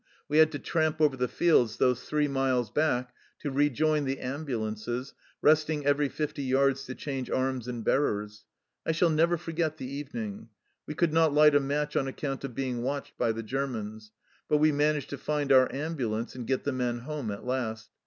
We had to tramp over the fields those three miles back to rejoin the ambulances, resting every fifty yards to change arms and bearers. I shall never forget the evening. We could not light a match on account of being watched by the Germans. But we managed to find our ambulance and get the men home at last.